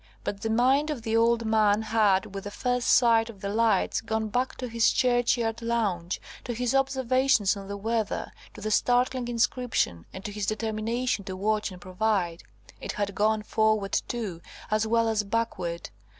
But the mind of the old man had, with the first sight of the lights, gone back to his churchyard lounge, to his observations on the weather, to the startling inscription, and to his determination to watch and provide. It had gone, forward, too, as well as backward.